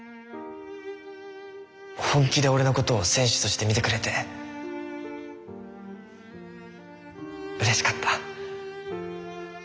本気で俺のことを選手として見てくれてうれしかった。